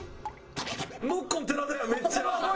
ノッコン寺田やめっちゃ！